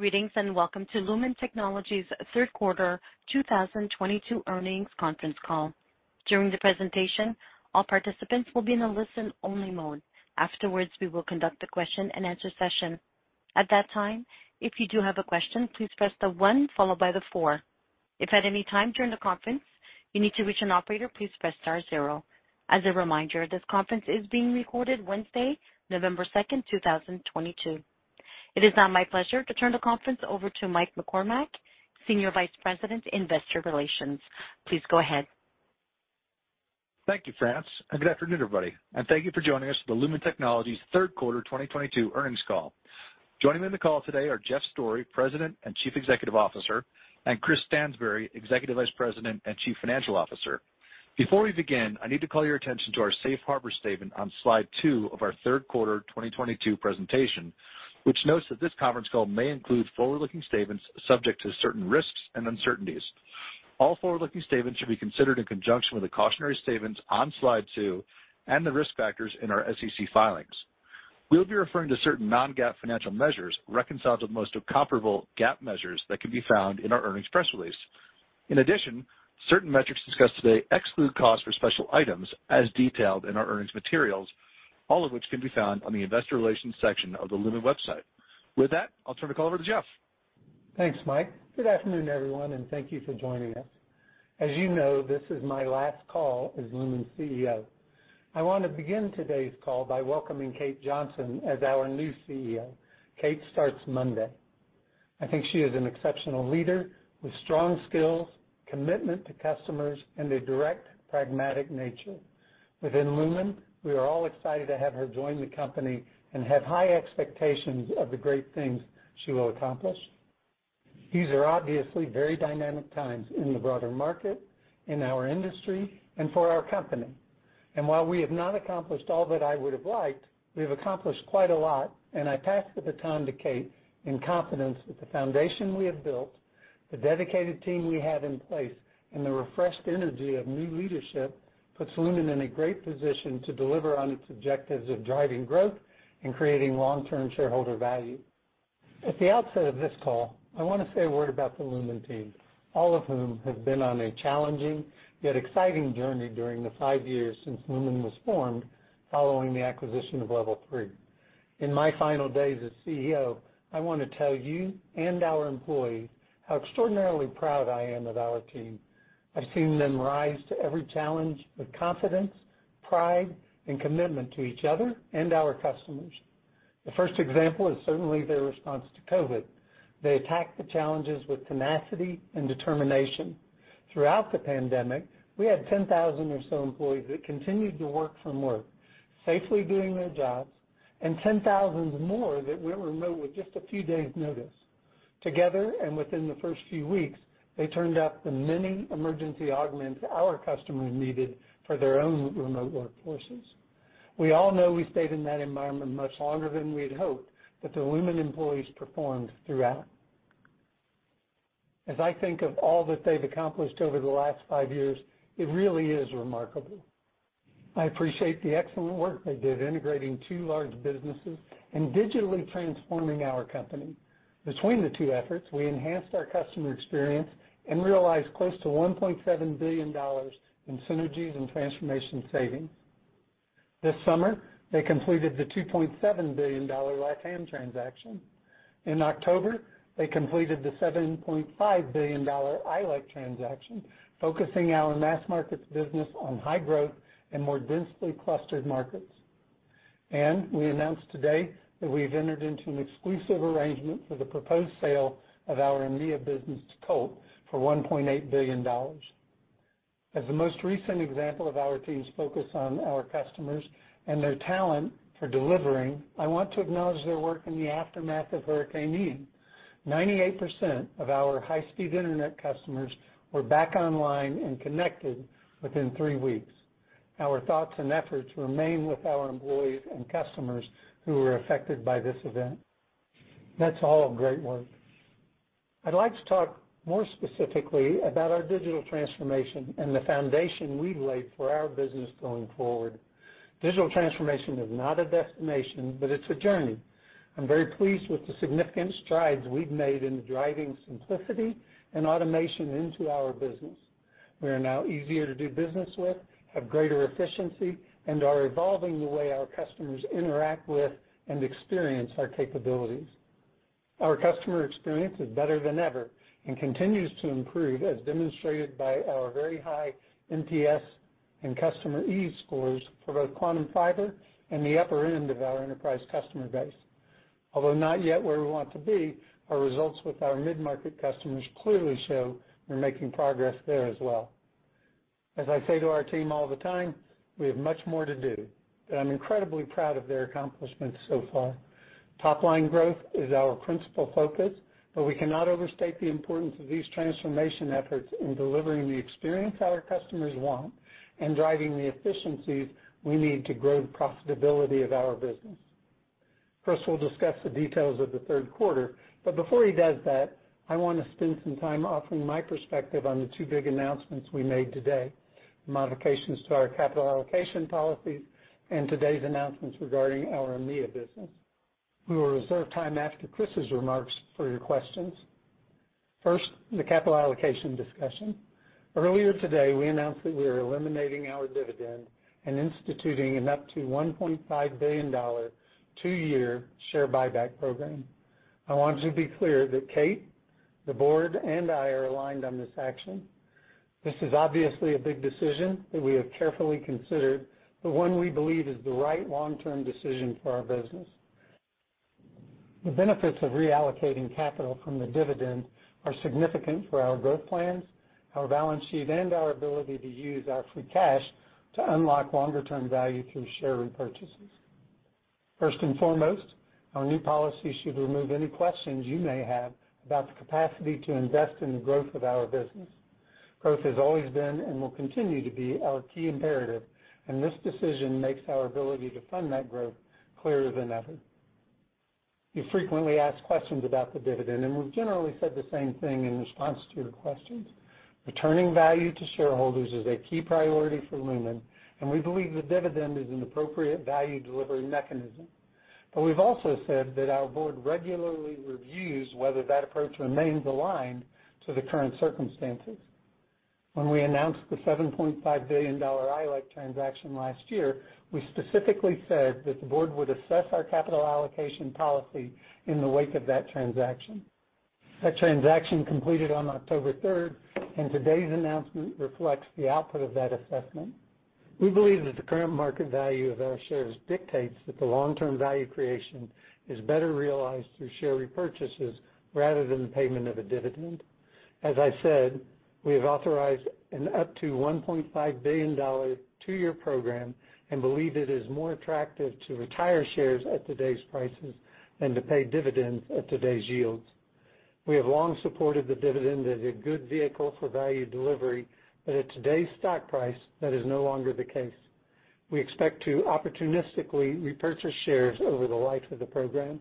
Greetings, and welcome to Lumen Technologies Q3 2022 earnings conference call. During the presentation, all participants will be in a listen-only mode. Afterwards, we will conduct a question-and-answer session. At that time, if you do have a question, please press 1 followed by 4. If at any time during the conference you need to reach an operator, please press star zero. As a reminder, this conference is being recorded Wednesday, November 2, 2022. It is now my pleasure to turn the conference over to Mike McCormack, Senior Vice President, Investor Relations. Please go ahead. Thank you, Franz, and good afternoon, everybody. Thank you for joining us for the Lumen Technologies third quarter 2022 earnings call. Joining me on the call today are Jeff Storey, President and Chief Executive Officer, and Chris Stansbury, Executive Vice President and Chief Financial Officer. Before we begin, I need to call your attention to our safe harbor statement on slide 2 of our third quarter 2022 presentation, which notes that this conference call may include forward-looking statements subject to certain risks and uncertainties. All forward-looking statements should be considered in conjunction with the cautionary statements on slide 2 and the risk factors in our SEC filings. We'll be referring to certain non-GAAP financial measures reconciled with most comparable GAAP measures that can be found in our earnings press release. In addition, certain metrics discussed today exclude cost for special items as detailed in our earnings materials, all of which can be found on the investor relations section of the Lumen website. With that, I'll turn the call over to Jeff. Thanks, Mike. Good afternoon, everyone, and thank you for joining us. As you know, this is my last call as Lumen CEO. I want to begin today's call by welcoming Kate Johnson as our new CEO. Kate starts Monday. I think she is an exceptional leader with strong skills, commitment to customers, and a direct, pragmatic nature. Within Lumen, we are all excited to have her join the company and have high expectations of the great things she will accomplish. These are obviously very dynamic times in the broader market, in our industry, and for our company. While we have not accomplished all that I would have liked, we have accomplished quite a lot, and I pass the baton to Kate in confidence that the foundation we have built, the dedicated team we have in place, and the refreshed energy of new leadership puts Lumen in a great position to deliver on its objectives of driving growth and creating long-term shareholder value. At the outset of this call, I want to say a word about the Lumen team, all of whom have been on a challenging yet exciting journey during the five years since Lumen was formed following the acquisition of Level 3. In my final days as CEO, I want to tell you and our employees how extraordinarily proud I am of our team. I've seen them rise to every challenge with confidence, pride, and commitment to each other and our customers. The first example is certainly their response to COVID. They attacked the challenges with tenacity and determination. Throughout the pandemic, we had 10,000 or so employees that continued to work from home, safely doing their jobs, and 10,000 more that went remote with just a few days' notice. Together, and within the first few weeks, they turned out the many emergency augments our customers needed for their own remote workforces. We all know we stayed in that environment much longer than we'd hoped, but the Lumen employees performed throughout. As I think of all that they've accomplished over the last five years, it really is remarkable. I appreciate the excellent work they did integrating two large businesses and digitally transforming our company. Between the two efforts, we enhanced our customer experience and realized close to $1.7 billion in synergies and transformation savings. This summer, they completed the $2.7 billion LATAM transaction. In October, they completed the $7.5 billion ILEC transaction, focusing our mass markets business on high growth and more densely clustered markets. We announced today that we've entered into an exclusive arrangement for the proposed sale of our EMEA business to Colt for $1.8 billion. As the most recent example of our team's focus on our customers and their talent for delivering, I want to acknowledge their work in the aftermath of Hurricane Ian. 98% of our high-speed internet customers were back online and connected within three weeks. Our thoughts and efforts remain with our employees and customers who were affected by this event. That's all great work. I'd like to talk more specifically about our digital transformation and the foundation we've laid for our business going forward. Digital transformation is not a destination, but it's a journey. I'm very pleased with the significant strides we've made in driving simplicity and automation into our business. We are now easier to do business with, have greater efficiency, and are evolving the way our customers interact with and experience our capabilities. Our customer experience is better than ever and continues to improve, as demonstrated by our very high NPS and customer ease scores for both Quantum Fiber and the upper end of our enterprise customer base. Although not yet where we want to be, our results with our mid-market customers clearly show we're making progress there as well. As I say to our team all the time, we have much more to do, but I'm incredibly proud of their accomplishments so far. Top-line growth is our principal focus, but we cannot overstate the importance of these transformation efforts in delivering the experience our customers want and driving the efficiencies we need to grow the profitability of our business. Chris will discuss the details of the third quarter, but before he does that, I want to spend some time offering my perspective on the two big announcements we made today. Modifications to our capital allocation policies and today's announcements regarding our EMEA business. We will reserve time after Chris's remarks for your questions. First, the capital allocation discussion. Earlier today, we announced that we are eliminating our dividend and instituting an up to $1.5 billion two-year share buyback program. I want you to be clear that Kate, the board, and I are aligned on this action. This is obviously a big decision that we have carefully considered, but one we believe is the right long-term decision for our business. The benefits of reallocating capital from the dividend are significant for our growth plans, our balance sheet, and our ability to use our free cash to unlock longer-term value through share repurchases. First and foremost, our new policy should remove any questions you may have about the capacity to invest in the growth of our business. Growth has always been and will continue to be our key imperative, and this decision makes our ability to fund that growth clearer than ever. You frequently ask questions about the dividend, and we've generally said the same thing in response to your questions. Returning value to shareholders is a key priority for Lumen, and we believe the dividend is an appropriate value delivery mechanism. We've also said that our board regularly reviews whether that approach remains aligned to the current circumstances. When we announced the $7.5 billion ILEC transaction last year, we specifically said that the board would assess our capital allocation policy in the wake of that transaction. That transaction completed on October third, and today's announcement reflects the output of that assessment. We believe that the current market value of our shares dictates that the long-term value creation is better realized through share repurchases rather than the payment of a dividend. As I said, we have authorized an up to $1.5 billion two-year program and believe it is more attractive to retire shares at today's prices than to pay dividends at today's yields. We have long supported the dividend as a good vehicle for value delivery, but at today's stock price, that is no longer the case. We expect to opportunistically repurchase shares over the life of the program.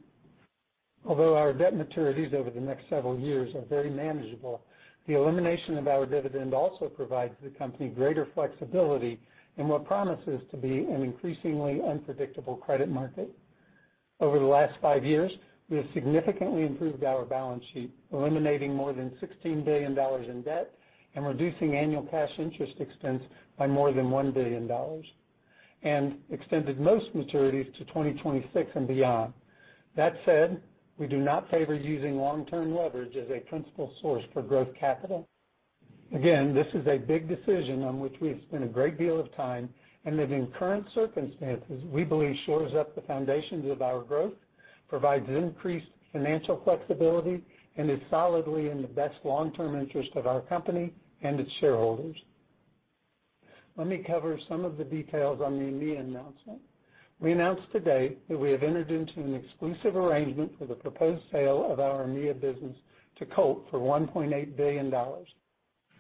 Although our debt maturities over the next several years are very manageable, the elimination of our dividend also provides the company greater flexibility in what promises to be an increasingly unpredictable credit market. Over the last five years, we have significantly improved our balance sheet, eliminating more than $16 billion in debt and reducing annual cash interest expense by more than $1 billion, and extended most maturities to 2026 and beyond. That said, we do not favor using long-term leverage as a principal source for growth capital. Again, this is a big decision on which we have spent a great deal of time, and that in current circumstances, we believe shores up the foundations of our growth, provides increased financial flexibility, and is solidly in the best long-term interest of our company and its shareholders. Let me cover some of the details on the EMEA announcement. We announced today that we have entered into an exclusive arrangement for the proposed sale of our EMEA business to Colt for $1.8 billion.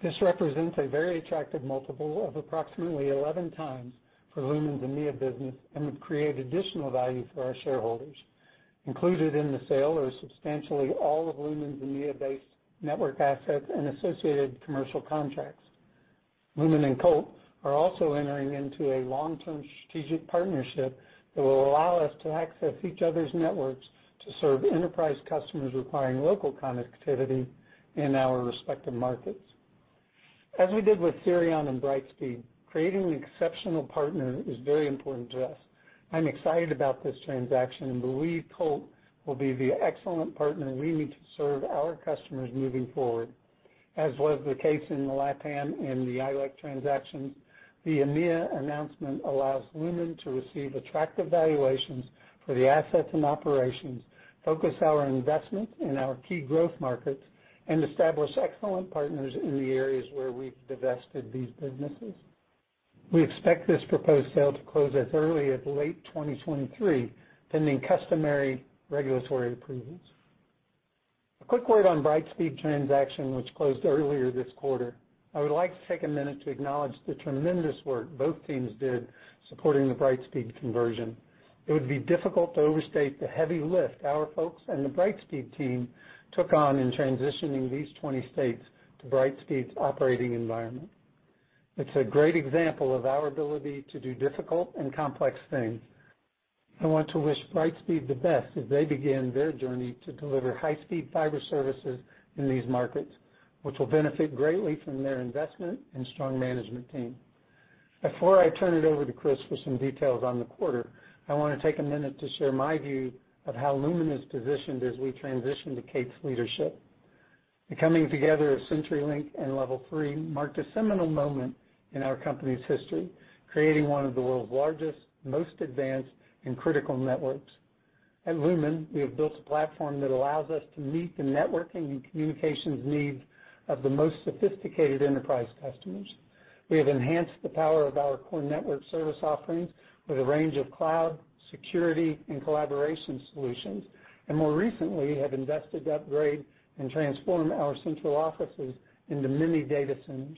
This represents a very attractive multiple of approximately 11x for Lumen's EMEA business and would create additional value for our shareholders. Included in the sale are substantially all of Lumen's EMEA-based network assets and associated commercial contracts. Lumen and Colt are also entering into a long-term strategic partnership that will allow us to access each other's networks to serve enterprise customers requiring local connectivity in our respective markets. As we did with Cirion and Brightspeed, creating an exceptional partner is very important to us. I'm excited about this transaction and believe Colt will be the excellent partner we need to serve our customers moving forward. As was the case in the LATAM and the ILEC transactions, the EMEA announcement allows Lumen to receive attractive valuations for the assets and operations, focus our investment in our key growth markets, and establish excellent partners in the areas where we've divested these businesses. We expect this proposed sale to close as early as late 2023, pending customary regulatory approvals. A quick word on Brightspeed transaction, which closed earlier this quarter. I would like to take a minute to acknowledge the tremendous work both teams did supporting the Brightspeed conversion. It would be difficult to overstate the heavy lift our folks and the Brightspeed team took on in transitioning these 20 states to Brightspeed's operating environment. It's a great example of our ability to do difficult and complex things. I want to wish Brightspeed the best as they begin their journey to deliver high-speed fiber services in these markets, which will benefit greatly from their investment and strong management team. Before I turn it over to Chris for some details on the quarter, I want to take a minute to share my view of how Lumen is positioned as we transition to Kate's leadership. The coming together of CenturyLink and Level 3 marked a seminal moment in our company's history, creating one of the world's largest, most advanced, and critical networks. At Lumen, we have built a platform that allows us to meet the networking and communications needs of the most sophisticated enterprise customers. We have enhanced the power of our core network service offerings with a range of cloud, security, and collaboration solutions, and more recently, have invested to upgrade and transform our central offices into mini data centers,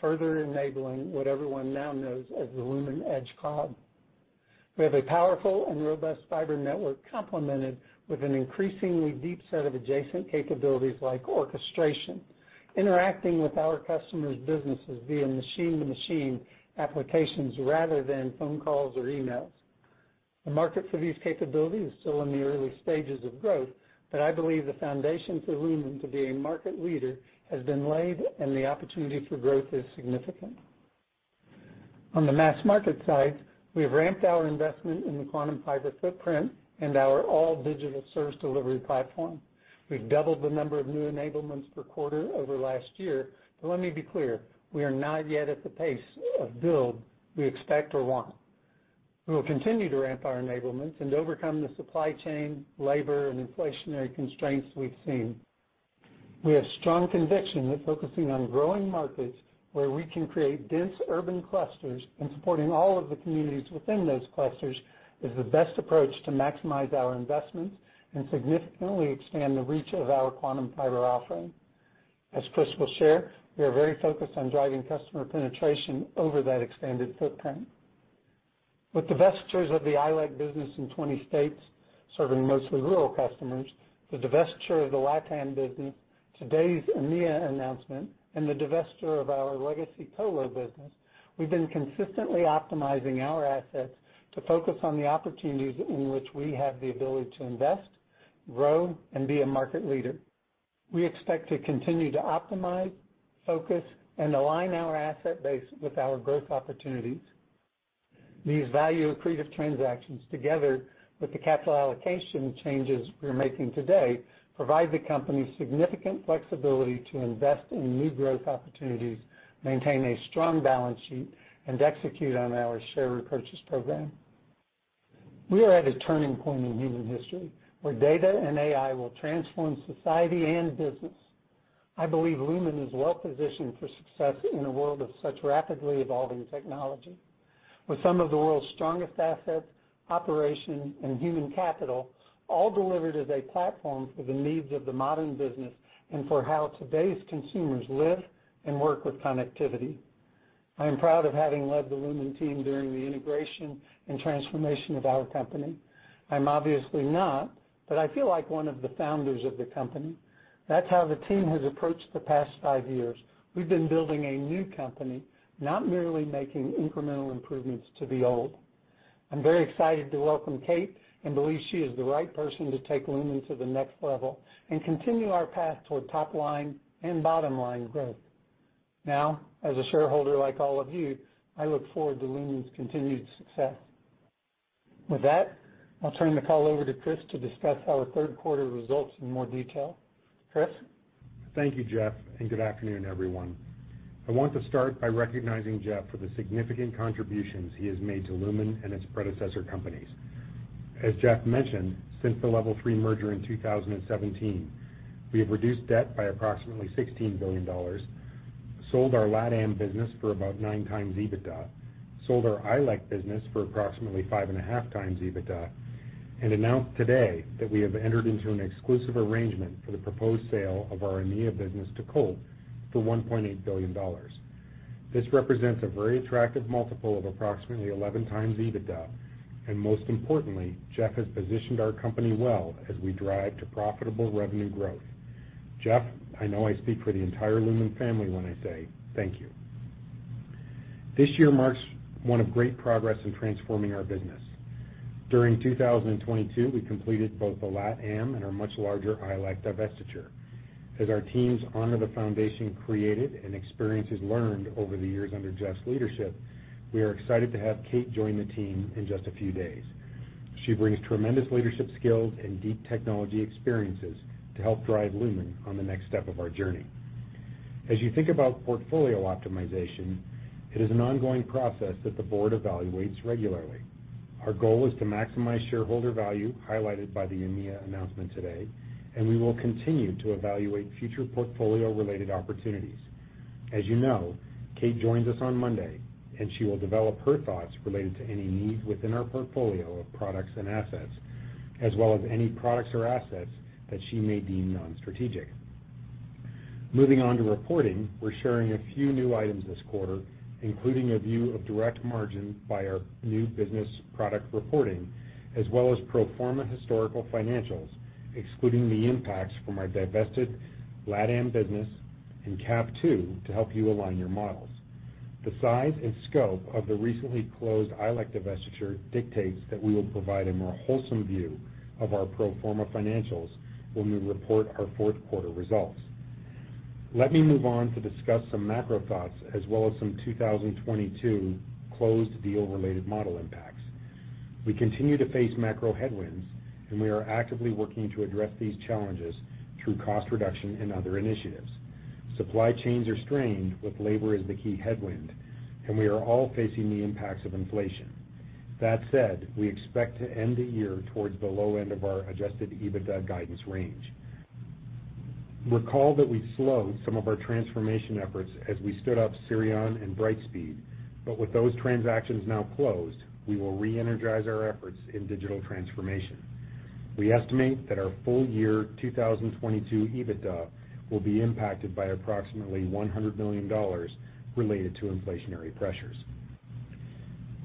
further enabling what everyone now knows as the Lumen Edge Cloud. We have a powerful and robust fiber network complemented with an increasingly deep set of adjacent capabilities like orchestration, interacting with our customers' businesses via machine-to-machine applications rather than phone calls or emails. The market for these capabilities is still in the early stages of growth, but I believe the foundation for Lumen to be a market leader has been laid, and the opportunity for growth is significant. On the mass market side, we have ramped our investment in the Quantum Fiber footprint and our all-digital service delivery platform. We've doubled the number of new enablements per quarter over last year, but let me be clear, we are not yet at the pace of build we expect or want. We will continue to ramp our enablements and overcome the supply chain, labor, and inflationary constraints we've seen. We have strong conviction that focusing on growing markets where we can create dense urban clusters and supporting all of the communities within those clusters is the best approach to maximize our investments and significantly expand the reach of our Quantum Fiber offering. As Chris will share, we are very focused on driving customer penetration over that expanded footprint. With divestitures of the ILEC business in 20 states, serving mostly rural customers, the divestiture of the LATAM business, today's EMEA announcement, and the divestiture of our legacy colo business, we've been consistently optimizing our assets to focus on the opportunities in which we have the ability to invest, grow, and be a market leader. We expect to continue to optimize, focus, and align our asset base with our growth opportunities. These value-accretive transactions, together with the capital allocation changes we're making today, provide the company significant flexibility to invest in new growth opportunities, maintain a strong balance sheet, and execute on our share repurchase program. We are at a turning point in human history where data and AI will transform society and business. I believe Lumen is well-positioned for success in a world of such rapidly evolving technology. With some of the world's strongest assets, operations, and human capital all delivered as a platform for the needs of the modern business and for how today's consumers live and work with connectivity. I am proud of having led the Lumen team during the integration and transformation of our company. I'm obviously not, but I feel like one of the founders of the company. That's how the team has approached the past five years. We've been building a new company, not merely making incremental improvements to the old. I'm very excited to welcome Kate and believe she is the right person to take Lumen to the next level and continue our path toward top-line and bottom-line growth. Now, as a shareholder like all of you, I look forward to Lumen's continued success. With that, I'll turn the call over to Chris to discuss our third quarter results in more detail. Chris? Thank you, Jeff, and good afternoon, everyone. I want to start by recognizing Jeff for the significant contributions he has made to Lumen and its predecessor companies. As Jeff mentioned, since the Level 3 merger in 2017, we have reduced debt by approximately $16 billion, sold our LATAM business for about 9x EBITDA, sold our ILEC business for approximately 5.5x EBITDA, and announced today that we have entered into an exclusive arrangement for the proposed sale of our EMEA business to Colt for $1.8 billion. This represents a very attractive multiple of approximately 11x EBITDA, and most importantly, Jeff has positioned our company well as we drive to profitable revenue growth. Jeff, I know I speak for the entire Lumen family when I say thank you. This year marks one of great progress in transforming our business. During 2022, we completed both the LATAM and our much larger ILEC divestiture. As our teams honor the foundation created and experiences learned over the years under Jeff's leadership, we are excited to have Kate join the team in just a few days. She brings tremendous leadership skills and deep technology experiences to help drive Lumen on the next step of our journey. As you think about portfolio optimization, it is an ongoing process that the board evaluates regularly. Our goal is to maximize shareholder value, highlighted by the EMEA announcement today, and we will continue to evaluate future portfolio-related opportunities. As you know, Kate joins us on Monday, and she will develop her thoughts related to any need within our portfolio of products and assets, as well as any products or assets that she may deem non-strategic. Moving on to reporting, we're sharing a few new items this quarter, including a view of direct margin by our new business product reporting, as well as pro forma historical financials, excluding the impacts from our divested LATAM business and CAF II to help you align your models. The size and scope of the recently closed ILEC divestiture dictates that we will provide a more holistic view of our pro forma financials when we report our fourth quarter results. Let me move on to discuss some macro thoughts as well as some 2022 closed deal-related model impacts. We continue to face macro headwinds, and we are actively working to address these challenges through cost reduction and other initiatives. Supply chains are strained with labor as the key headwind, and we are all facing the impacts of inflation. That said, we expect to end the year towards the low end of our adjusted EBITDA guidance range. Recall that we slowed some of our transformation efforts as we stood up Cirion and Brightspeed, but with those transactions now closed, we will reenergize our efforts in digital transformation. We estimate that our full year 2022 EBITDA will be impacted by approximately $100 million related to inflationary pressures.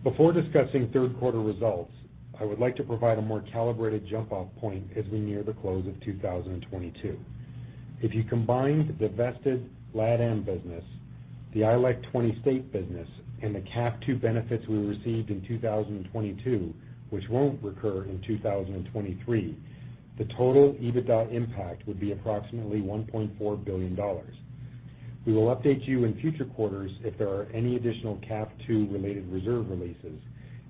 Before discussing third quarter results, I would like to provide a more calibrated jump-off point as we near the close of 2022. If you combine the vested LATAM business, the ILEC twenty-state business, and the CAF II benefits we received in 2022, which won't recur in 2023, the total EBITDA impact would be approximately $1.4 billion. We will update you in future quarters if there are any additional CAF II-related reserve releases,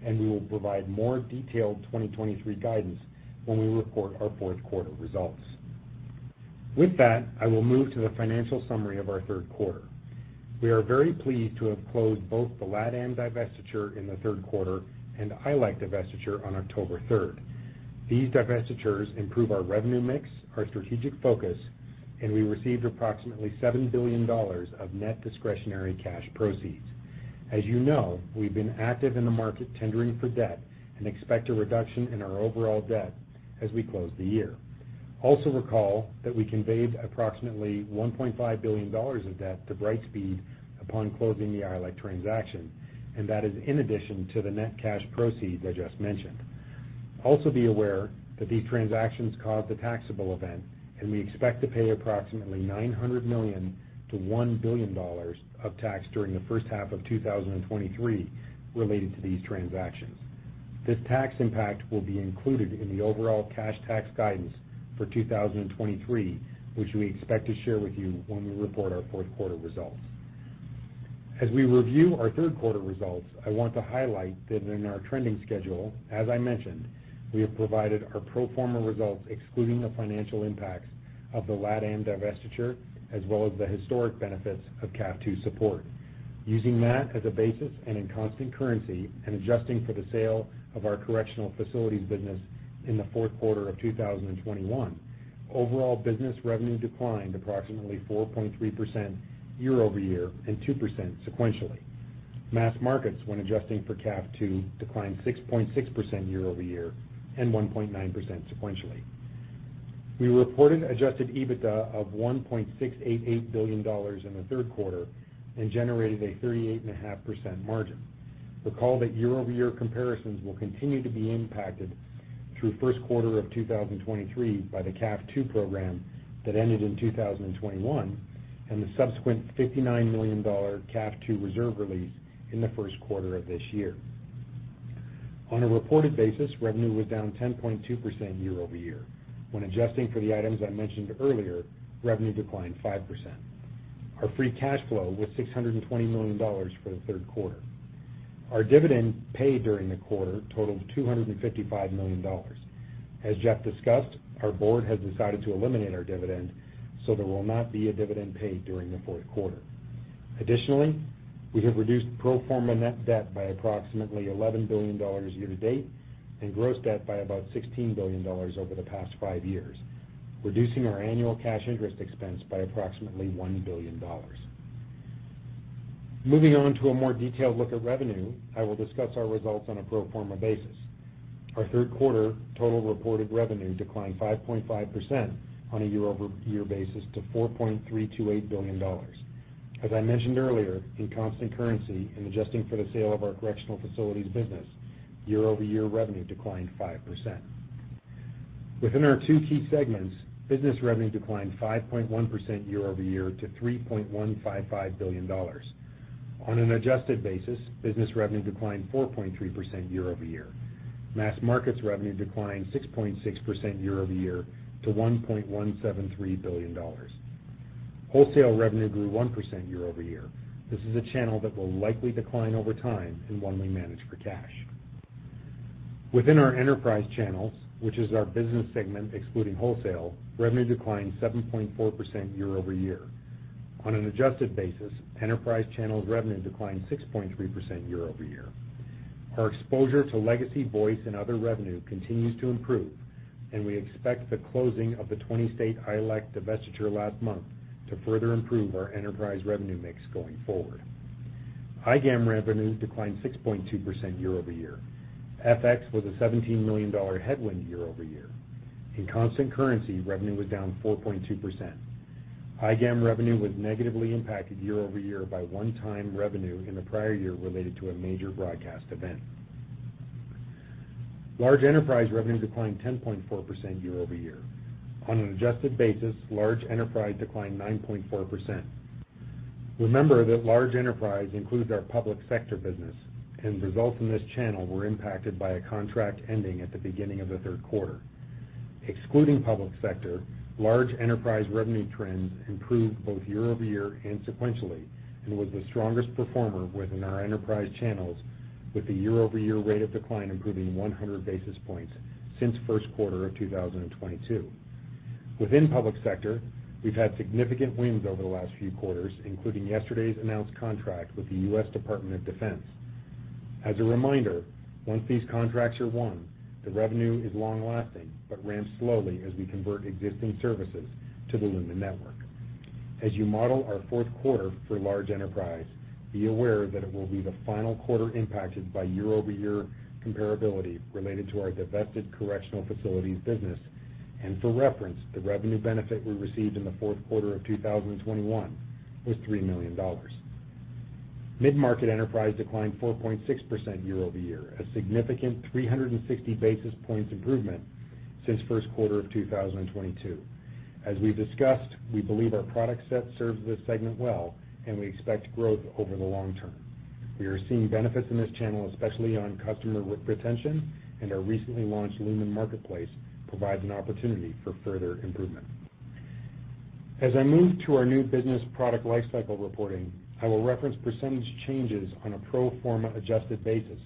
and we will provide more detailed 2023 guidance when we report our fourth quarter results. With that, I will move to the financial summary of our third quarter. We are very pleased to have closed both the LATAM divestiture in the third quarter and ILEC divestiture on October 3. These divestitures improve our revenue mix, our strategic focus, and we received approximately $7 billion of net discretionary cash proceeds. As you know, we've been active in the market tendering for debt and expect a reduction in our overall debt as we close the year. Also recall that we conveyed approximately $1.5 billion of debt to Brightspeed upon closing the ILEC transaction, and that is in addition to the net cash proceeds I just mentioned. Also be aware that these transactions caused a taxable event, and we expect to pay approximately $900 million-$1 billion of tax during the first half of 2023 related to these transactions. This tax impact will be included in the overall cash tax guidance for 2023, which we expect to share with you when we report our fourth quarter results. As we review our third quarter results, I want to highlight that in our trending schedule, as I mentioned, we have provided our pro forma results excluding the financial impacts of the LATAM divestiture as well as the historic benefits of CAF II support. Using that as a basis and in constant currency and adjusting for the sale of our correctional facilities business in the fourth quarter of 2021, overall business revenue declined approximately 4.3% year-over-year and 2% sequentially. Mass markets, when adjusting for CAF II, declined 6.6% year-over-year and 1.9% sequentially. We reported adjusted EBITDA of $1.688 billion in the third quarter and generated a 38.5% margin. Recall that year-over-year comparisons will continue to be impacted through first quarter of 2023 by the CAF II program that ended in 2021 and the subsequent $59 million CAF II reserve release in the first quarter of this year. On a reported basis, revenue was down 10.2% year-over-year. When adjusting for the items I mentioned earlier, revenue declined 5%. Our free cash flow was $620 million for the third quarter. Our dividend paid during the quarter totaled $255 million. As Jeff discussed, our board has decided to eliminate our dividend, so there will not be a dividend paid during the fourth quarter. Additionally, we have reduced pro forma net debt by approximately $11 billion year to date and gross debt by about $16 billion over the past five years, reducing our annual cash interest expense by approximately $1 billion. Moving on to a more detailed look at revenue, I will discuss our results on a pro forma basis. Our third quarter total reported revenue declined 5.5% on a year-over-year basis to $4.328 billion. As I mentioned earlier, in constant currency and adjusting for the sale of our correctional facilities business, year-over-year revenue declined 5%. Within our two key segments, business revenue declined 5.1% year-over-year to $3.155 billion. On an adjusted basis, business revenue declined 4.3% year-over-year. Mass markets revenue declined 6.6% year-over-year to $1.173 billion. Wholesale revenue grew 1% year-over-year. This is a channel that will likely decline over time and one we manage for cash. Within our enterprise channels, which is our business segment excluding wholesale, revenue declined 7.4% year-over-year. On an adjusted basis, enterprise channels revenue declined 6.3% year-over-year. Our exposure to legacy voice and other revenue continues to improve, and we expect the closing of the 20-state ILEC divestiture last month to further improve our enterprise revenue mix going forward. IGAM revenue declined 6.2% year-over-year. FX was a $17 million headwind year-over-year. In constant currency, revenue was down 4.2%. IGAM revenue was negatively impacted year-over-year by one-time revenue in the prior year related to a major broadcast event. Large enterprise revenue declined 10.4% year-over-year. On an adjusted basis, large enterprise declined 9.4%. Remember that large enterprise includes our public sector business, and results in this channel were impacted by a contract ending at the beginning of the third quarter. Excluding public sector, large enterprise revenue trends improved both year-over-year and sequentially and was the strongest performer within our enterprise channels with the year-over-year rate of decline improving 100 basis points since first quarter of 2022. Within public sector, we've had significant wins over the last few quarters, including yesterday's announced contract with the U.S. Department of Defense. As a reminder, once these contracts are won, the revenue is long-lasting but ramps slowly as we convert existing services to the Lumen network. As you model our fourth quarter for large enterprise, be aware that it will be the final quarter impacted by year-over-year comparability related to our divested correctional facilities business. For reference, the revenue benefit we received in the fourth quarter of 2021 was $3 million. Mid-market enterprise declined 4.6% year-over-year, a significant 360 basis points improvement since first quarter of 2022. As we've discussed, we believe our product set serves this segment well, and we expect growth over the long term. We are seeing benefits in this channel, especially on customer retention, and our recently launched Lumen Marketplace provides an opportunity for further improvement. As I move to our new business product lifecycle reporting, I will reference percentage changes on a pro forma adjusted basis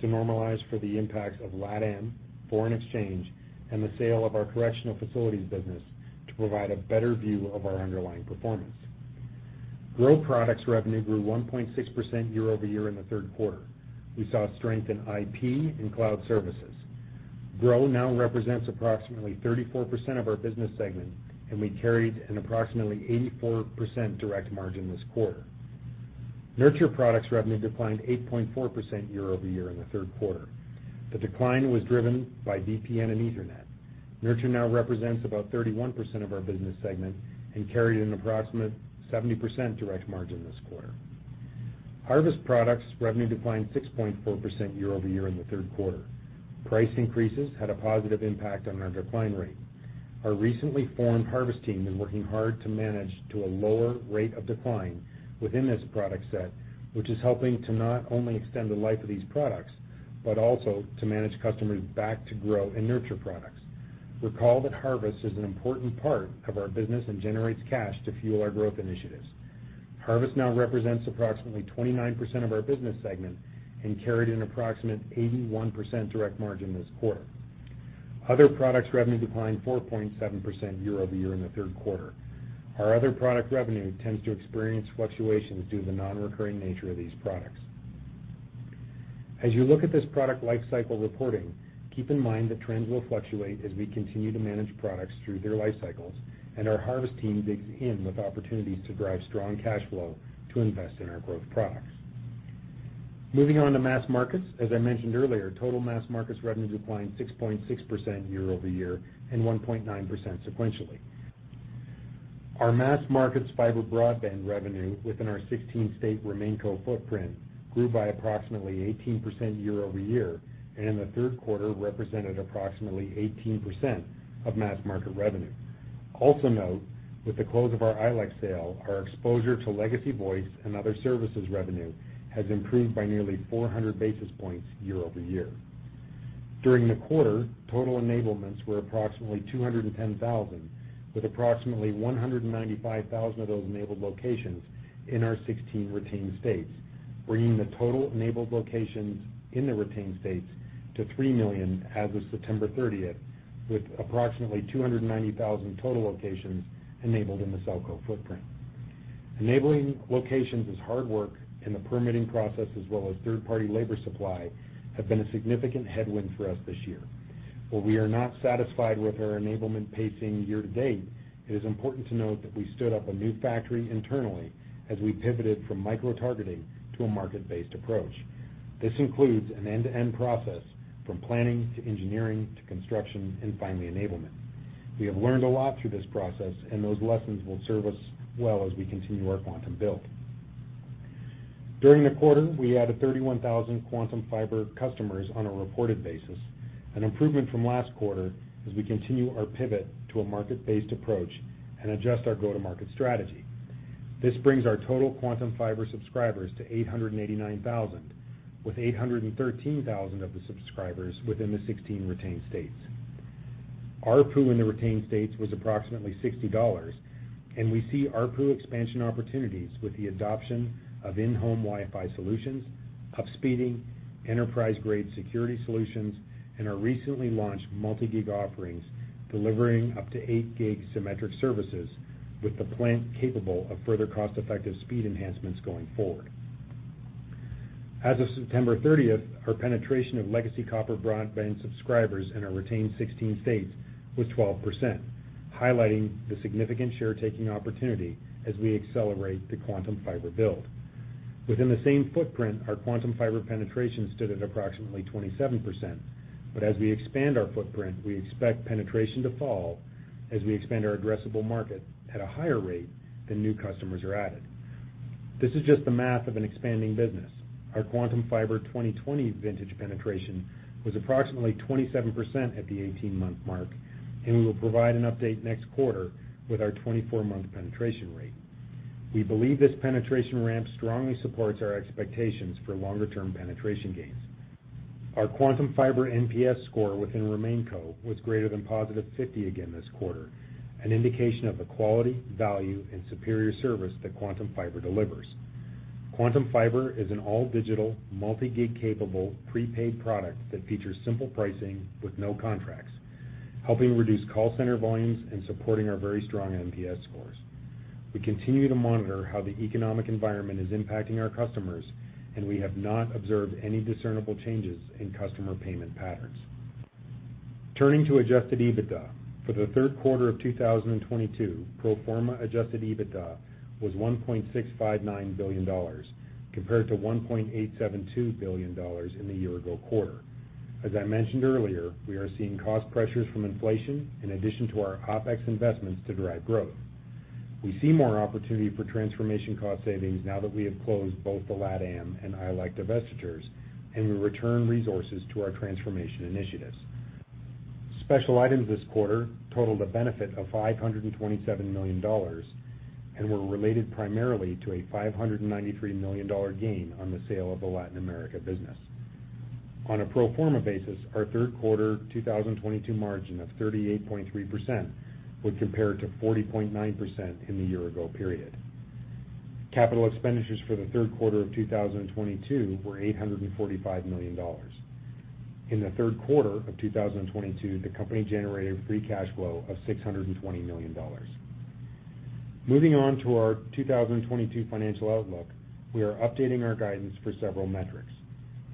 to normalize for the impacts of LATAM, foreign exchange, and the sale of our correctional facilities business to provide a better view of our underlying performance. Grow products revenue grew 1.6% year-over-year in the third quarter. We saw strength in IP and cloud services. Grow now represents approximately 34% of our business segment, and we carried an approximately 84% direct margin this quarter. Nurture products revenue declined 8.4% year-over-year in the third quarter. The decline was driven by VPN and Ethernet. Nurture now represents about 31% of our business segment and carried an approximate 70% direct margin this quarter. Harvest products revenue declined 6.4% year-over-year in the third quarter. Price increases had a positive impact on our decline rate. Our recently formed Harvest team is working hard to manage to a lower rate of decline within this product set, which is helping to not only extend the life of these products, but also to manage customers back to Grow and Nurture products. Recall that Harvest is an important part of our business and generates cash to fuel our growth initiatives. Harvest now represents approximately 29% of our business segment and carried an approximate 81% direct margin this quarter. Other products revenue declined 4.7% year-over-year in the third quarter. Our other product revenue tends to experience fluctuations due to the nonrecurring nature of these products. As you look at this product lifecycle reporting, keep in mind that trends will fluctuate as we continue to manage products through their lifecycles and our Harvest team digs in with opportunities to drive strong cash flow to invest in our growth products. Moving on to mass markets. As I mentioned earlier, total mass markets revenue declined 6.6% year-over-year and 1.9% sequentially. Our mass markets fiber broadband revenue within our 16-state RemainCo footprint grew by approximately 18% year-over-year and in the third quarter represented approximately 18% of mass market revenue. Also note, with the close of our ILEC sale, our exposure to legacy voice and other services revenue has improved by nearly 400 basis points year-over-year. During the quarter, total enablements were approximately 210,000, with approximately 195,000 of those enabled locations in our 16 retained states, bringing the total enabled locations in the retained states to 3 million as of September thirtieth, with approximately 290,000 total locations enabled in the SellCo footprint. Enabling locations is hard work, and the permitting process as well as third-party labor supply have been a significant headwind for us this year. While we are not satisfied with our enablement pacing year-to-date, it is important to note that we stood up a new factory internally as we pivoted from micro-targeting to a market-based approach. This includes an end-to-end process from planning to engineering to construction and finally enablement. We have learned a lot through this process, and those lessons will serve us well as we continue our Quantum build. During the quarter, we added 31,000 Quantum Fiber customers on a reported basis, an improvement from last quarter as we continue our pivot to a market-based approach and adjust our go-to-market strategy. This brings our total Quantum Fiber subscribers to 889,000, with 813,000 of the subscribers within the 16 retained states. ARPU in the retained states was approximately $60, and we see ARPU expansion opportunities with the adoption of in-home Wi-Fi solutions, upspeeding, enterprise-grade security solutions, and our recently launched multi-gig offerings, delivering up to 8 gig symmetric services with the plant capable of further cost-effective speed enhancements going forward. As of September 30, our penetration of legacy copper broadband subscribers in our retained 16 states was 12%, highlighting the significant share taking opportunity as we accelerate the Quantum Fiber build. Within the same footprint, our Quantum Fiber penetration stood at approximately 27%. As we expand our footprint, we expect penetration to fall as we expand our addressable market at a higher rate than new customers are added. This is just the math of an expanding business. Our Quantum Fiber 2020 vintage penetration was approximately 27% at the 18-month mark, and we will provide an update next quarter with our 24-month penetration rate. We believe this penetration ramp strongly supports our expectations for longer-term penetration gains. Our Quantum Fiber NPS score within RemainCo was greater than +50 again this quarter, an indication of the quality, value, and superior service that Quantum Fiber delivers. Quantum Fiber is an all-digital, multi-gig capable, prepaid product that features simple pricing with no contracts, helping reduce call center volumes and supporting our very strong NPS scores. We continue to monitor how the economic environment is impacting our customers, and we have not observed any discernible changes in customer payment patterns. Turning to adjusted EBITDA. For the third quarter of 2022, pro forma adjusted EBITDA was $1.659 billion compared to $1.872 billion in the year ago quarter. As I mentioned earlier, we are seeing cost pressures from inflation in addition to our OpEx investments to drive growth. We see more opportunity for transformation cost savings now that we have closed both the LATAM and ILEC divestitures, and we return resources to our transformation initiatives. Special items this quarter totaled a benefit of $527 million and were related primarily to a $593 million gain on the sale of the Latin America business. On a pro forma basis, our third quarter 2022 margin of 38.3% would compare to 40.9% in the year ago period. Capital expenditures for the third quarter of 2022 were $845 million. In the third quarter of 2022, the company generated free cash flow of $620 million. Moving on to our 2022 financial outlook, we are updating our guidance for several metrics.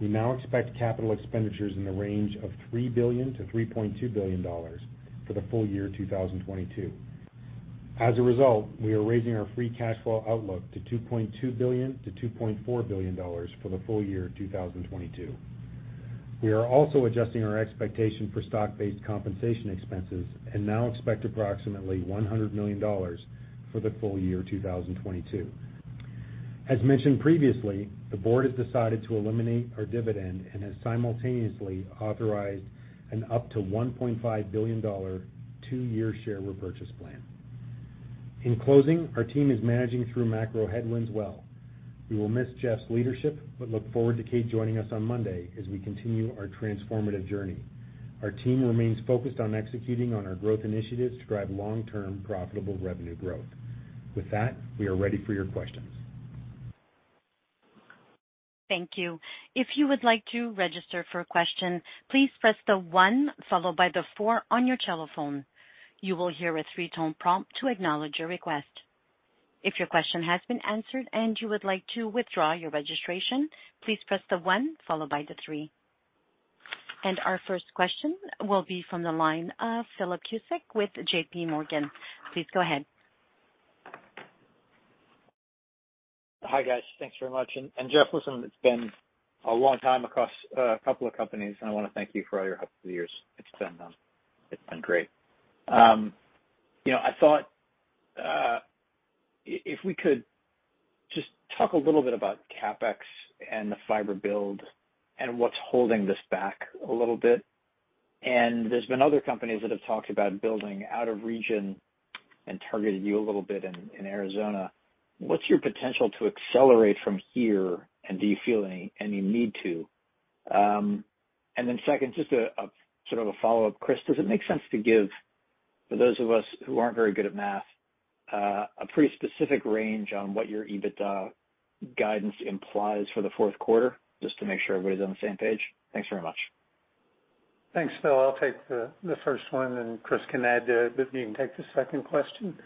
We now expect capital expenditures in the range of $3 billion-$3.2 billion for the full year 2022. As a result, we are raising our free cash flow outlook to $2.2 billion-$2.4 billion for the full year 2022. We are also adjusting our expectation for stock-based compensation expenses and now expect approximately $100 million for the full year 2022. As mentioned previously, the board has decided to eliminate our dividend and has simultaneously authorized a $1.5 billion two-year share repurchase plan. In closing, our team is managing through macro headwinds well. We will miss Jeff's leadership, but look forward to Kate joining us on Monday as we continue our transformative journey. Our team remains focused on executing on our growth initiatives to drive long-term profitable revenue growth. With that, we are ready for your questions. Thank you. If you would like to register for a question, please press the one followed by the four on your telephone. You will hear a three-tone prompt to acknowledge your request. If your question has been answered and you would like to withdraw your registration, please press the one followed by the three. Our first question will be from the line of Philip Cusick with JPMorgan. Please go ahead. Hi, guys. Thanks very much. Jeff, listen, it's been a long time across a couple of companies, and I wanna thank you for all your help through the years. It's been great. You know, I thought if we could just talk a little bit about CapEx and the fiber build and what's holding this back a little bit. There's been other companies that have talked about building out of region and targeted you a little bit in Arizona. What's your potential to accelerate from here, and do you feel any need to? Then second, just a sort of a follow-up. Chris, does it make sense to give, for those of us who aren't very good at math, a pretty specific range on what your EBITDA guidance implies for the fourth quarter, just to make sure everybody's on the same page? Thanks very much. Thanks, Phil. I'll take the first one, and Chris can add to it. You can take the second question.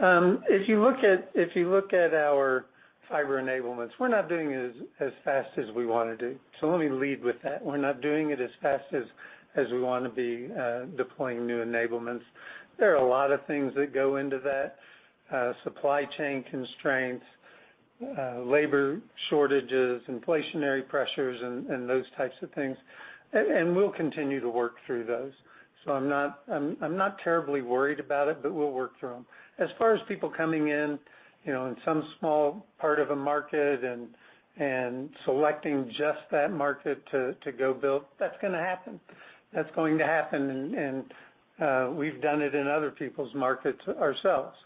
If you look at our fiber enablements, we're not doing it as fast as we wanna do. Let me lead with that. We're not doing it as fast as we wanna be deploying new enablements. There are a lot of things that go into that, supply chain constraints, labor shortages, inflationary pressures, and those types of things. We'll continue to work through those. I'm not terribly worried about it, but we'll work through them. As far as people coming in, you know, in some small part of a market and selecting just that market to go build, that's gonna happen. That's going to happen. We've done it in other people's markets ourselves.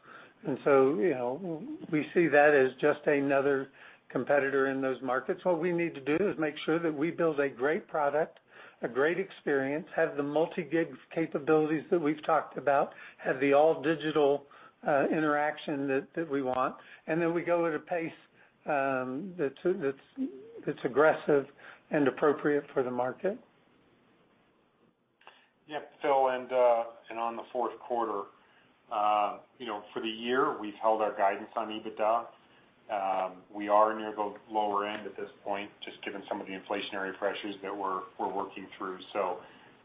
We see that as just another competitor in those markets. What we need to do is make sure that we build a great product, a great experience, have the multi-gig capabilities that we've talked about, have the all digital interaction that we want, and then we go at a pace that's aggressive and appropriate for the market. Yeah, Phil, on the fourth quarter, you know, for the year, we've held our guidance on EBITDA. We are near the lower end at this point, just given some of the inflationary pressures that we're working through.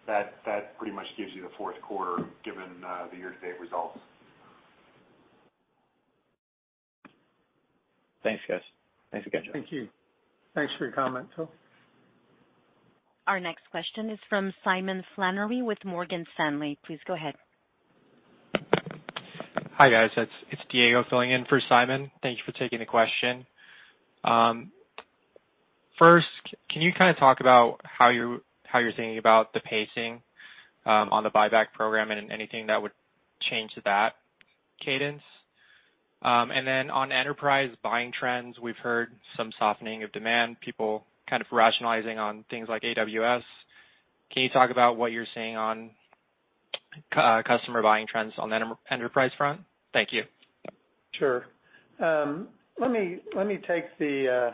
That pretty much gives you the fourth quarter given the year-to-date results. Thanks, guys. Thanks again, Jeff. Thank you. Thanks for your comment, Philip. Our next question is from Simon Flannery with Morgan Stanley. Please go ahead. Hi, guys. It's Diego filling in for Simon Flannery. Thank you for taking the question. First, can you kinda talk about how you're thinking about the pacing on the buyback program and anything that would change to that cadence? On enterprise buying trends, we've heard some softening of demand, people kind of rationalizing on things like AWS. Can you talk about what you're seeing on customer buying trends on the enterprise front? Thank you. Sure. Let me take the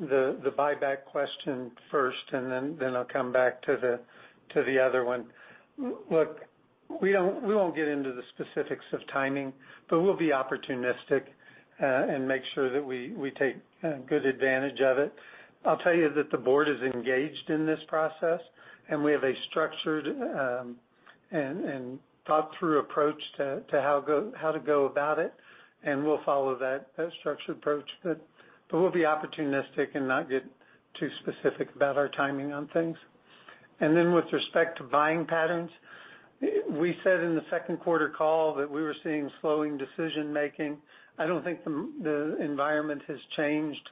buyback question first, and then I'll come back to the other one. We won't get into the specifics of timing, but we'll be opportunistic and make sure that we take good advantage of it. I'll tell you that the board is engaged in this process, and we have a structured and thought-through approach to how to go about it, and we'll follow that structured approach. We'll be opportunistic and not get too specific about our timing on things. Then with respect to buying patterns, we said in the second quarter call that we were seeing slowing decision-making. I don't think the environment has changed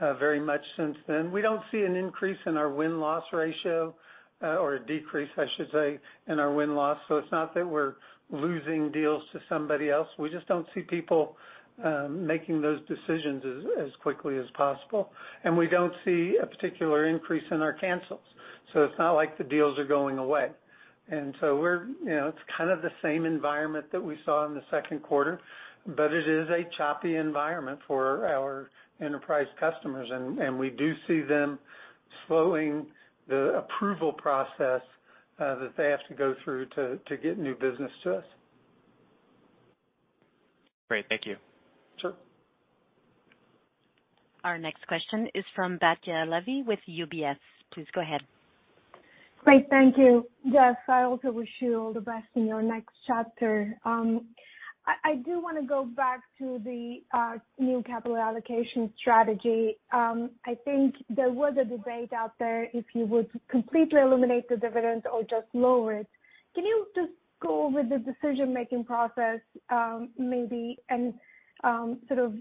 very much since then. We don't see an increase in our win-loss ratio, or a decrease, I should say, in our win-loss. So it's not that we're losing deals to somebody else. We just don't see people making those decisions as quickly as possible, and we don't see a particular increase in our cancels, so it's not like the deals are going away. You know, it's kind of the same environment that we saw in the second quarter, but it is a choppy environment for our enterprise customers and we do see them slowing the approval process that they have to go through to get new business to us. Great. Thank you. Sure. Our next question is from Batya Levi with UBS. Please go ahead. Great. Thank you. Jeff, I also wish you all the best in your next chapter. I do wanna go back to the new capital allocation strategy. I think there was a debate out there if you would completely eliminate the dividend or just lower it. Can you just go over the decision-making process, maybe and sort of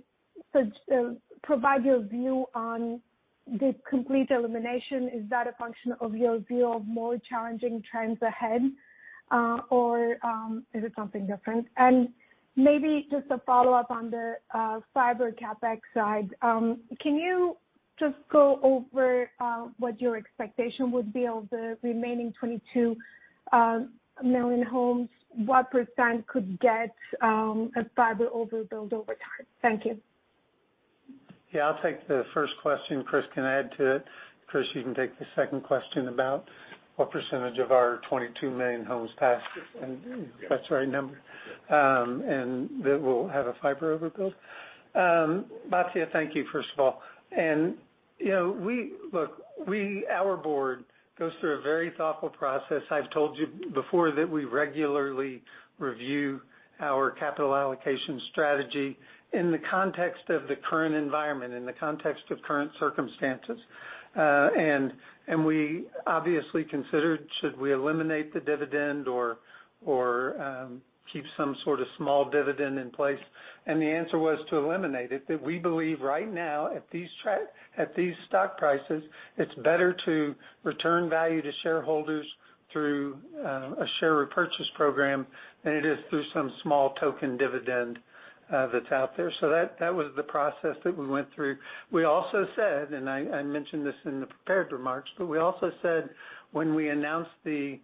so provide your view on the complete elimination? Is that a function of your view of more challenging trends ahead, or is it something different? Maybe just a follow-up on the fiber CapEx side. Can you just go over what your expectation would be of the remaining 22 million homes? What % could get a fiber overbuild over time? Thank you. Yeah. I'll take the first question. Chris can add to it. Chris, you can take the second question about what percentage of our 22 million homes passed. Yes. If that's the right number, and that will have a fiber overbuild. Batya, thank you, first of all. You know, look, our board goes through a very thoughtful process. I've told you before that we regularly review our capital allocation strategy in the context of the current environment, in the context of current circumstances. We obviously considered should we eliminate the dividend or keep some sort of small dividend in place? The answer was to eliminate it. We believe right now, at these stock prices, it's better to return value to shareholders through a share repurchase program than it is through some small token dividend that's out there. That was the process that we went through. We also said, and I mentioned this in the prepared remarks, but we also said when we announced the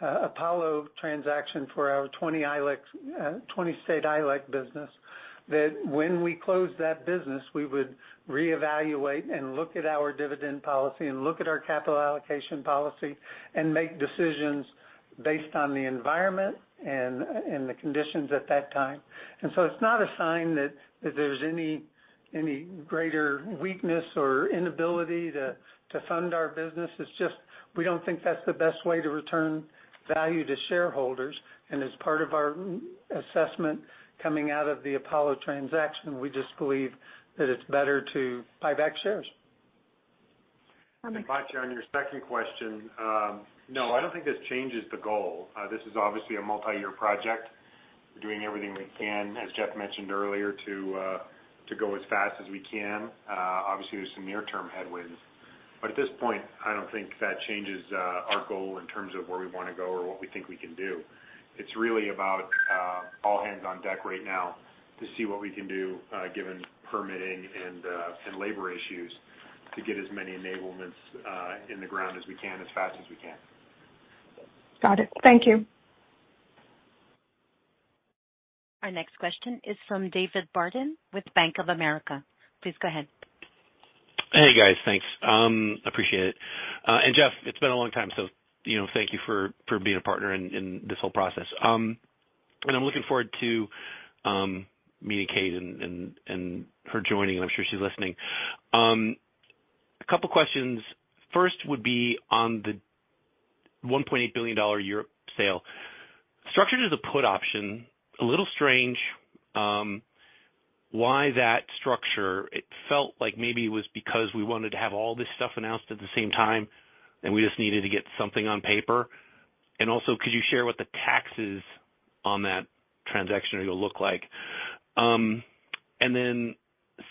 Apollo transaction for our 20-state ILEC business, that when we close that business, we would reevaluate and look at our dividend policy and look at our capital allocation policy and make decisions based on the environment and the conditions at that time. It's not a sign that there's any greater weakness or inability to fund our business. It's just we don't think that's the best way to return value to shareholders. As part of our assessment coming out of the Apollo transaction, we just believe that it's better to buy back shares. Batya, on your second question, no, I don't think this changes the goal. This is obviously a multi-year project. We're doing everything we can, as Jeff mentioned earlier, to go as fast as we can. Obviously, there's some near-term headwinds, but at this point, I don't think that changes our goal in terms of where we wanna go or what we think we can do. It's really about all hands on deck right now to see what we can do, given permitting and labor issues to get as many enablements in the ground as we can, as fast as we can. Got it. Thank you. Our next question is from David Barden with Bank of America. Please go ahead. Hey, guys. Thanks. Appreciate it. And Jeff, it's been a long time, so, you know, thank you for being a partner in this whole process. And I'm looking forward to meeting Kate and her joining, and I'm sure she's listening. A couple questions. First would be on the $1.8 billion Europe sale. Structured as a put option, a little strange, why that structure? It felt like maybe it was because we wanted to have all this stuff announced at the same time, and we just needed to get something on paper. Also, could you share what the taxes on that transaction are gonna look like?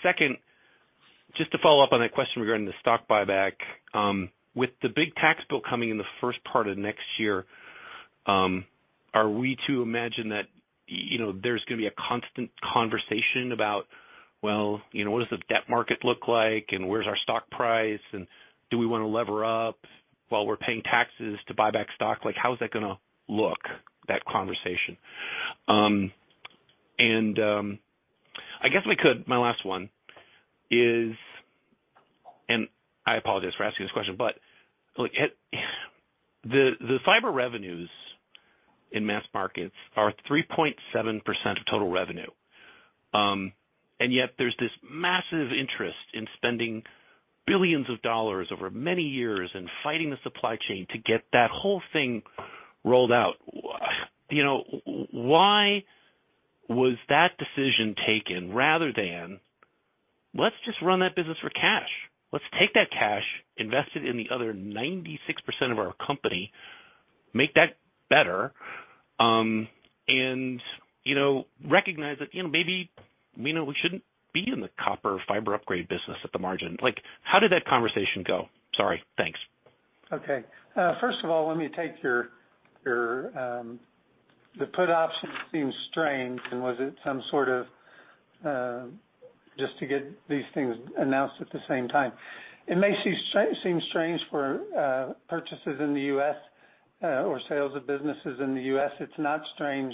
Second, just to follow up on that question regarding the stock buyback, with the big tax bill coming in the first part of next year, are we to imagine that, you know, there's gonna be a constant conversation about, well, you know, what does the debt market look like? And where's our stock price? And do we wanna lever up while we're paying taxes to buy back stock? Like, how is that gonna look, that conversation? My last one is. I apologize for asking this question, but like it. The fiber revenues in mass markets are 3.7% of total revenue. And yet there's this massive interest in spending billions of dollars over many years and fighting the supply chain to get that whole thing rolled out. You know, why was that decision taken rather than, let's just run that business for cash. Let's take that cash, invest it in the other 96% of our company, make that better, and, you know, recognize that, you know, maybe, you know, we shouldn't be in the copper fiber upgrade business at the margin. Like, how did that conversation go? Sorry. Thanks. Okay. First of all, the put option seems strange. Was it some sort of just to get these things announced at the same time? It may seem strange for purchases in the U.S. or sales of businesses in the U.S. It's not strange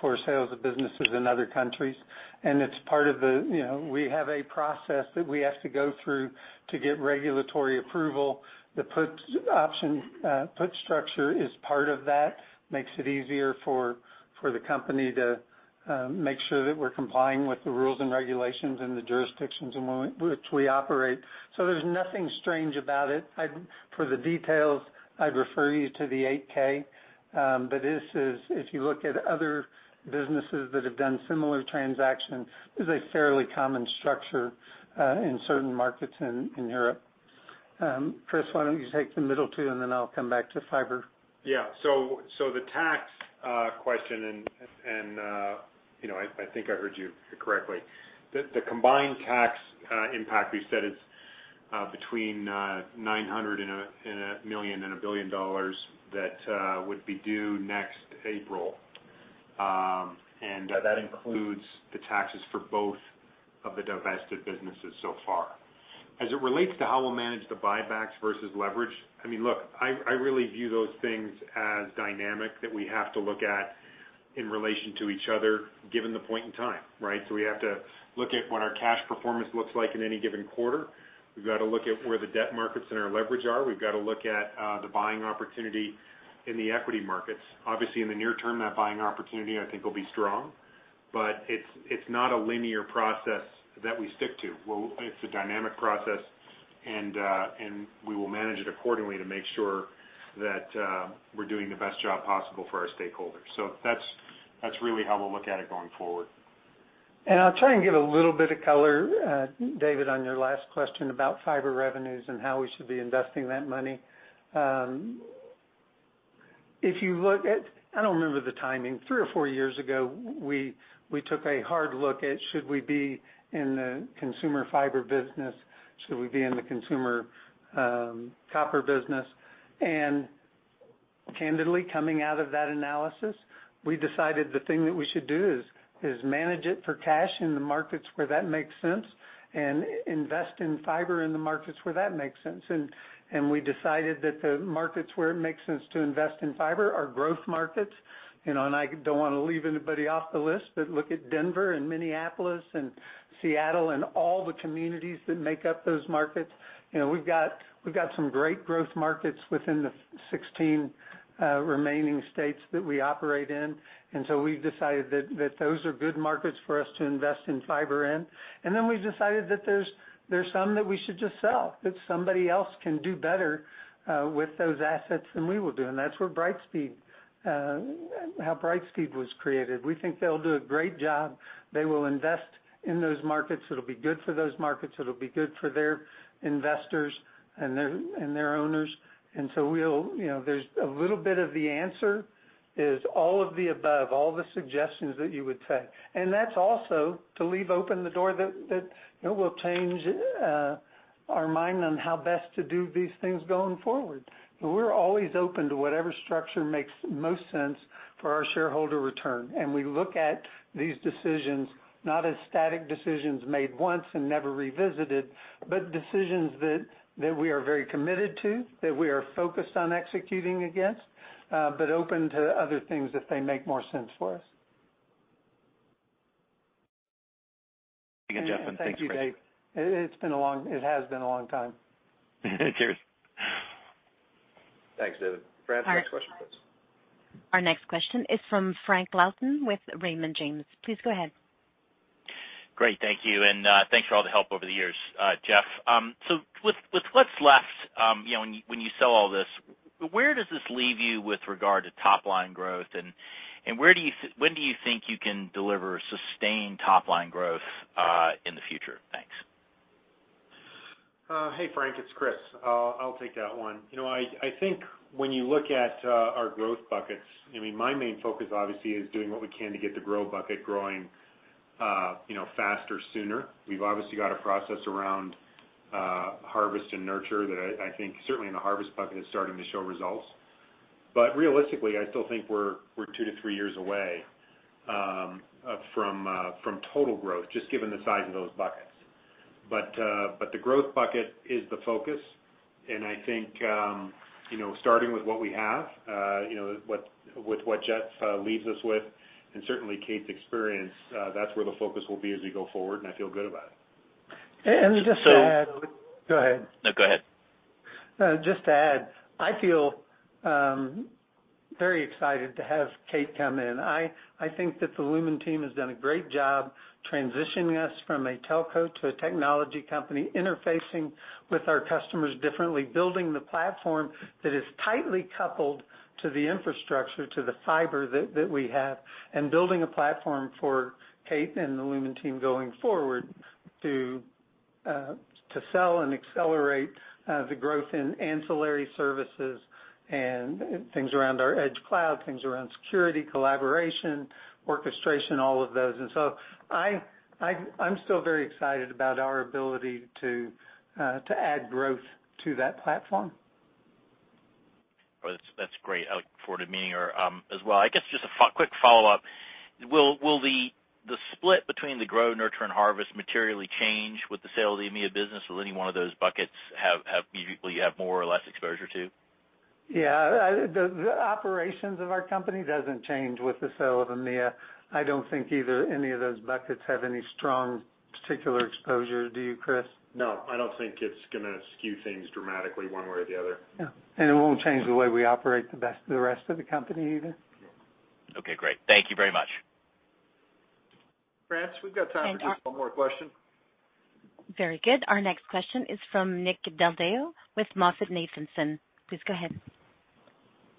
for sales of businesses in other countries, and it's part of the you know, we have a process that we have to go through to get regulatory approval. The put option structure is part of that. It makes it easier for the company to make sure that we're complying with the rules and regulations in the jurisdictions in which we operate. So there's nothing strange about it. For the details, I'd refer you to the 8-K. This is, if you look at other businesses that have done similar transactions, a fairly common structure in certain markets in Europe. Chris, why don't you take the middle two, and then I'll come back to fiber? Yeah. The tax question, you know, I think I heard you correctly. The combined tax impact we said is between $900 million and $1 billion that would be due next April. That includes the taxes for both of the divested businesses so far. As it relates to how we'll manage the buybacks versus leverage, I mean, look, I really view those things as dynamic that we have to look at in relation to each other, given the point in time, right? We have to look at what our cash performance looks like in any given quarter. We've got to look at where the debt markets and our leverage are. We've got to look at the buying opportunity in the equity markets. Obviously, in the near term, that buying opportunity I think will be strong, but it's not a linear process that we stick to. It's a dynamic process, and we will manage it accordingly to make sure that we're doing the best job possible for our stakeholders. That's really how we'll look at it going forward. I'll try and give a little bit of color, David, on your last question about fiber revenues and how we should be investing that money. If you look at. I don't remember the timing. Three or four years ago, we took a hard look at should we be in the consumer fiber business, should we be in the consumer copper business. Candidly, coming out of that analysis, we decided the thing that we should do is manage it for cash in the markets where that makes sense and invest in fiber in the markets where that makes sense. We decided that the markets where it makes sense to invest in fiber are growth markets. You know, I don't wanna leave anybody off the list, but look at Denver and Minneapolis and Seattle and all the communities that make up those markets. You know, we've got some great growth markets within the 16 remaining states that we operate in. We've decided that those are good markets for us to invest in fiber in. We've decided that there's some that we should just sell, that somebody else can do better with those assets than we will do. That's where Brightspeed, how Brightspeed was created. We think they'll do a great job. They will invest in those markets. It'll be good for those markets. It'll be good for their investors and their owners. We'll, you know, there's a little bit of the answer is all of the above, all the suggestions that you would say. That's also to leave open the door that you know, we'll change our mind on how best to do these things going forward. We're always open to whatever structure makes most sense for our shareholder return. We look at these decisions not as static decisions made once and never revisited, but decisions that we are very committed to, that we are focused on executing against, but open to other things if they make more sense for us. Thank you, Jeff, and thanks, Chris. Thank you, Dave. It has been a long time. Cheers. Thanks, David. All right. Franz, next question, please. Our next question is from Frank Louthan with Raymond James. Please go ahead. Great. Thank you, and thanks for all the help over the years, Jeff. So with what's left, you know, when you sell all this, where does this leave you with regard to top line growth, and when do you think you can deliver sustained top line growth in the future? Thanks. Hey, Frank. It's Chris. I'll take that one. You know, I think when you look at our growth buckets, I mean, my main focus obviously is doing what we can to get the growth bucket growing, you know, faster, sooner. We've obviously got a process around harvest and nurture that I think certainly in the harvest bucket is starting to show results. But realistically, I still think we're two to three years away from total growth, just given the size of those buckets. But the growth bucket is the focus. I think, you know, starting with what we have, you know, with what Jeff Storey leaves us with, and certainly Kate's experience, that's where the focus will be as we go forward, and I feel good about it. Just to add. So- Go ahead. No, go ahead. No, just to add, I feel very excited to have Kate come in. I think that the Lumen team has done a great job transitioning us from a telco to a technology company, interfacing with our customers differently, building the platform that is tightly coupled to the infrastructure, to the fiber that we have, and building a platform for Kate and the Lumen team going forward to sell and accelerate the growth in ancillary services and things around our edge cloud, things around security, collaboration, orchestration, all of those. I'm still very excited about our ability to add growth to that platform. Well, that's great. I look forward to meeting her as well. I guess just a quick follow-up. Will the split between the grow, nurture, and harvest materially change with the sale of the EMEA business? Will you have more or less exposure to? Yeah. The operations of our company doesn't change with the sale of EMEA. I don't think either any of those buckets have any strong particular exposure. Do you, Chris? No, I don't think it's gonna skew things dramatically one way or the other. Yeah. It won't change the way we operate the rest of the company either. No. Okay, great. Thank you very much. Franz, we've got time for just one more question. Very good. Our next question is from Nick Del Deo with MoffettNathanson. Please go ahead.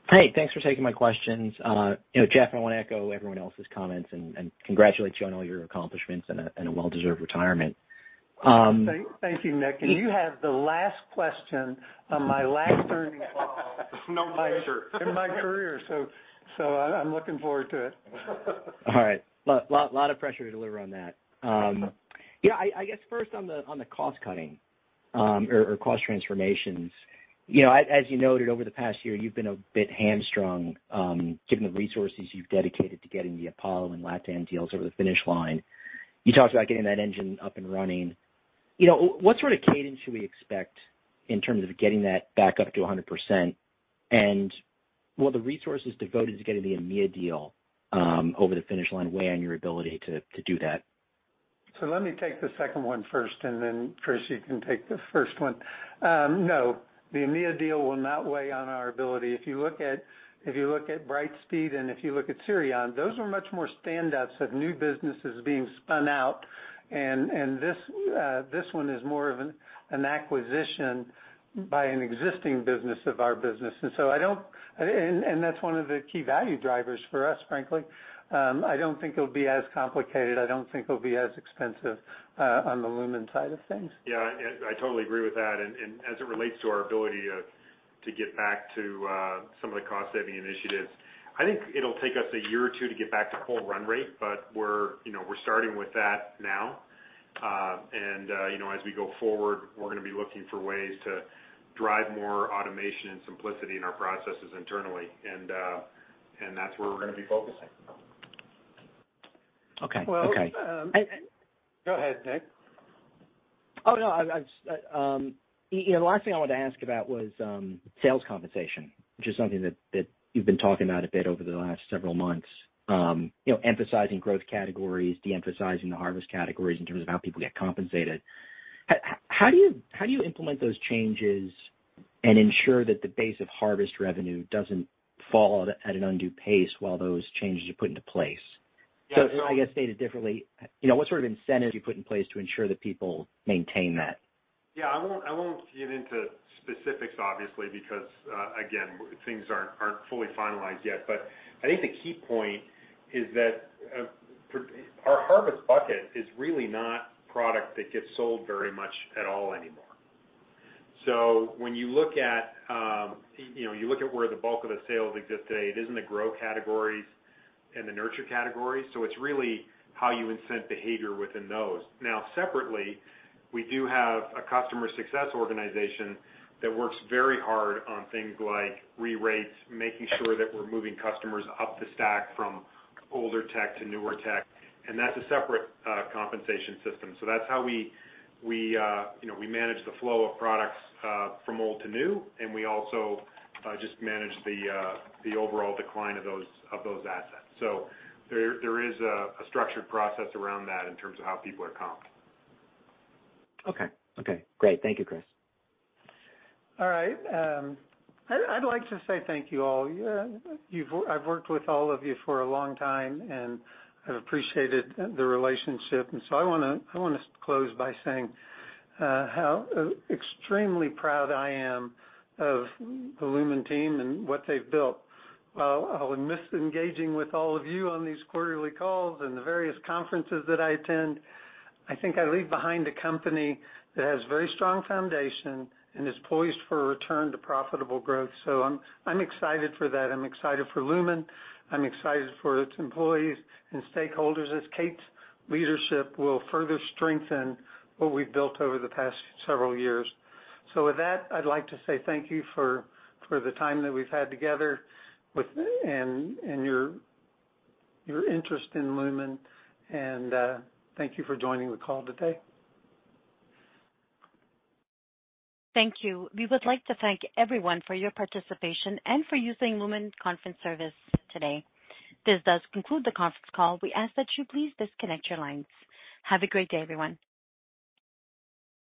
Hey, thanks for taking my questions. You know, Jeff, I wanna echo everyone else's comments and congratulate you on all your accomplishments and a well-deserved retirement. Thank you, Nick. You have the last question on my last earnings call. No pressure. In my career, so I'm looking forward to it. All right. A lot of pressure to deliver on that. I guess first on the cost-cutting, or cost transformations. As you noted over the past year, you've been a bit hamstrung, given the resources you've dedicated to getting the Apollo and LATAM deals over the finish line. You talked about getting that engine up and running. What sort of cadence should we expect in terms of getting that back up to 100%? Will the resources devoted to getting the EMEA deal over the finish line weigh on your ability to do that? Let me take the second one first, and then Chris, you can take the first one. No, the EMEA deal will not weigh on our ability. If you look at Brightspeed and Cirion, those are much more stand-ups of new businesses being spun out, and this one is more of an acquisition by an existing business of our business. That's one of the key value drivers for us, frankly. I don't think it'll be as complicated. I don't think it'll be as expensive on the Lumen side of things. Yeah, I totally agree with that. As it relates to our ability to get back to some of the cost-saving initiatives, I think it'll take us a year or two to get back to full run rate, but you know, we're starting with that now. You know, as we go forward, we're gonna be looking for ways to drive more automation and simplicity in our processes internally. That's where we're gonna be focusing. Okay. Okay. Well. Go ahead, Nick. You know, the last thing I wanted to ask about was sales compensation, which is something that you've been talking about a bit over the last several months. You know, emphasizing growth categories, de-emphasizing the harvest categories in terms of how people get compensated. How do you implement those changes and ensure that the base of harvest revenue doesn't fall at an undue pace while those changes are put into place? Yeah. I guess stated differently, you know, what sort of incentives you put in place to ensure that people maintain that? Yeah. I won't get into specifics obviously, because again, things aren't fully finalized yet. I think the key point is that our harvest bucket is really not a product that gets sold very much at all anymore. So when you look at, you know, where the bulk of the sales exist today, it is in the grow categories and the nurture categories, so it's really how you incent behavior within those. Now, separately, we do have a customer success organization that works very hard on things like re-rates, making sure that we're moving customers up the stack from older tech to newer tech, and that's a separate compensation system. That's how we, you know, we manage the flow of products from old to new, and we also just manage the overall decline of those assets. There is a structured process around that in terms of how people are comped. Okay. Okay, great. Thank you, Chris. All right. I'd like to say thank you all. I've worked with all of you for a long time, and I've appreciated the relationship, and I wanna close by saying how extremely proud I am of the Lumen team and what they've built. While I will miss engaging with all of you on these quarterly calls and the various conferences that I attend, I think I leave behind a company that has very strong foundation and is poised for a return to profitable growth. I'm excited for that. I'm excited for Lumen. I'm excited for its employees and stakeholders, as Kate's leadership will further strengthen what we've built over the past several years. With that, I'd like to say thank you for the time that we've had together and your interest in Lumen, and thank you for joining the call today. Thank you. We would like to thank everyone for your participation and for using Lumen Conferencing today. This does conclude the conference call. We ask that you please disconnect your lines. Have a great day, everyone.